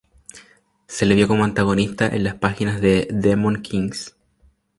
Se le vio como antagonista en las páginas de "Demon Knights".